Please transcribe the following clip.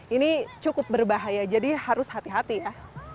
ini cukup berbahaya jadi harus hati hati ya